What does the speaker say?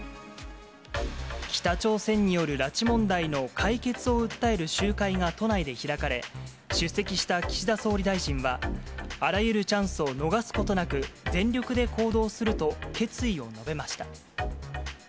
北朝鮮による拉致問題の解決を訴える集会が都内で開かれ、出席した岸田総理大臣は、あらゆるチャンスを逃すことなく、全力で行動すると決意を述べました。